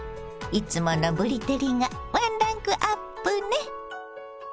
いつものぶり照りがワンランクアップね。